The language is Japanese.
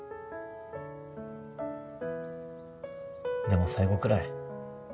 も最後くらい